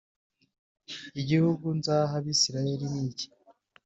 igihugu nzaha Abisirayeli niki